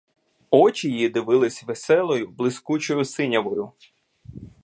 Очі їй дивились веселою блискучою синявою.